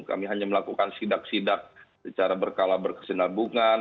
kami hanya melakukan sidak sidak secara berkala berkesinabungan